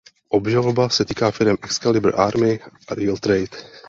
Obžaloba se týká firem Excalibur Army a Real Trade.